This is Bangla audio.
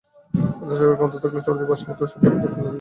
আফসার সাহেবের ক্ষমতা থাকলে চড় দিয়ে বদমাশটার সব কটা দাঁত ফেলে দিতেন।